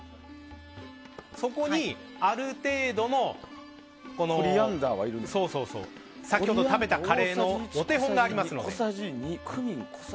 そこにある程度の先ほど食べたカレーのお手本がありますので。